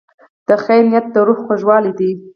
د خیر نیت د روح خوږوالی دی.